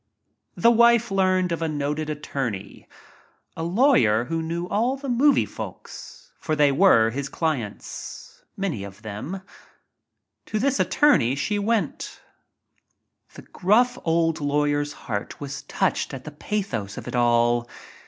The wife learned of a noted attorney— a lawyer who knew all the movie folks, for they were his clients — many of them. To this attorney she went. * it ■ 46 THE "GOLD DIGGER" The gruff, old lawer's heart was touched at the pathos of it all.